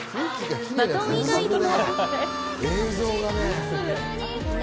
バトン以外にも。